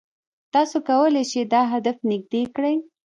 تاسو کولای شئ دا هدف نږدې کړئ.